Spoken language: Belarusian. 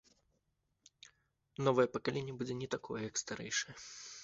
Новае пакаленне будзе не такое, як старэйшае.